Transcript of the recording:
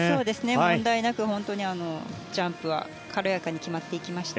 問題なく本当にジャンプは軽やかに決まっていきました。